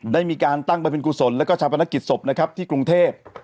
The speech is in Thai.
ได้มีการตั้งบริเวณกุศลแล้วก็ชาปนกิจศพนะครับที่กรุงเทพ